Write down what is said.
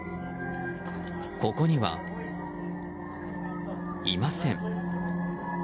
ここには、いません。